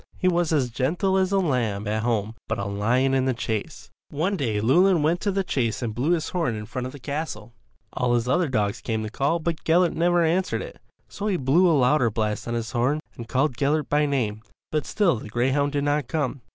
He was as gentle as a lamb at home but a lion in the chase. One day Llewelyn went to the chase and blew his horn in front of his castle. All his other dogs came to the call but Gellert never answered it. So he blew a louder blast on his horn and called Gellert by name, but still the greyhound did not come.